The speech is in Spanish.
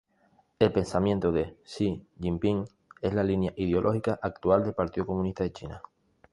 El pensamiento Xi Jinping es la línea ideológica actual del Partido Comunista de China.